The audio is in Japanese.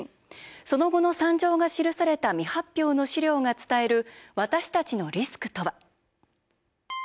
その後の惨状が記された未発表の資料が伝える私たちのリスクとは。